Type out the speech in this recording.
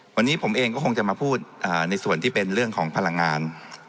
วันนี้ผมเองก็คงจะมาพูดในส่วนที่เป็นเรื่องของพลังงาน